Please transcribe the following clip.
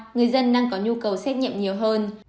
người dân đang có nhu cầu xét nghiệm nhiều hơn